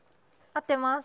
合ってます。